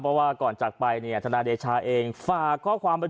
เพราะว่าก่อนจากไปธนาเดชาเองฝากอัพพิธาปุ่ม